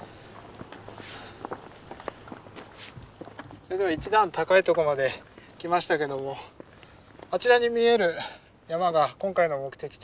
それでは一段高いとこまで来ましたけどもあちらに見える山が今回の目的地